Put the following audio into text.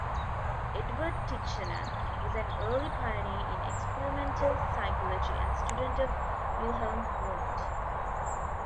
Edward Titchener was an early pioneer in experimental psychology and student of Wilhelm Wundt.